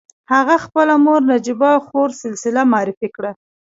هغه خپله مور نجيبه خور سلسله معرفي کړه.